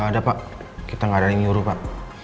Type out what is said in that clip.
gak ada pak kita gak ada yang nyuruh pak